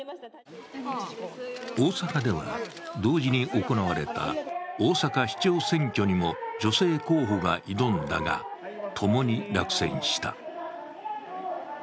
大阪では、同時に行われた大阪市長選挙にも女性候補が挑んだがともに落選した。